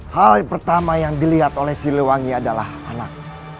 hal pertama yang dilihat oleh siliwangi adalah anak